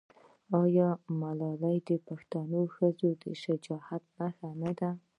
آیا ملالۍ د پښتنې ښځې د شجاعت نښه نه ده؟